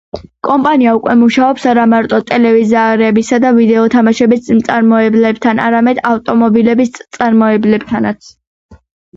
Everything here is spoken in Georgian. კომპანია უკვე მუშაობს არამარტო ტელევიზორებისა და ვიდეო თამაშების მწარმოებლებთან, არამედ ავტომობილების მწარმოებლებთანაც.